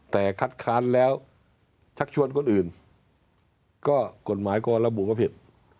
แต่คัดค้านแล้วชักชวนคนอื่นก็กฎหมายก็ระบุว่าผิด